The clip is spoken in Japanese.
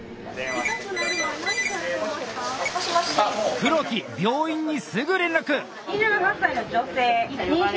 黒木病院にすぐ連絡！